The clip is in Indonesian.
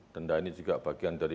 denda ini juga bagian dari